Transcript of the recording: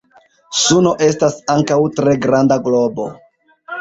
Suno estas ankaŭ tre granda globo.